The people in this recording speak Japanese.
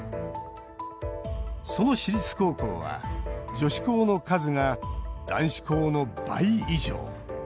その私立高校は女子校の数が男子校の倍以上。